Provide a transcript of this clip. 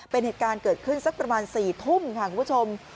เป็นเหตุการณ์เกิดขึ้นสักประมาณ๔ทุ่มค่ะคุณผู้ชม